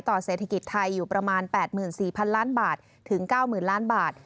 เศรษฐกิจไทยอยู่ประมาณ๘๔๐๐ล้านบาทถึง๙๐๐ล้านบาท